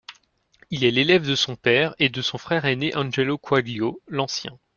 Il est l'élève de son père et de son frère aîné Angelo Quaglio l'Ancien.